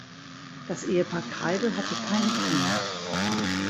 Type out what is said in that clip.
Das Ehepaar Kreidl hatte keine Kinder.